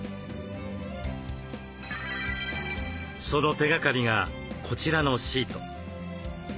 その手がかりがこちらのシート。